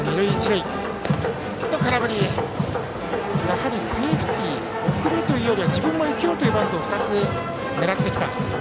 やはりセーフティー送るというよりは自分も生きようというバントを２つ狙ってきた。